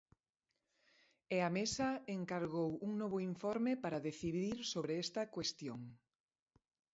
E a Mesa encargou un novo informe para decidir sobre esta cuestión.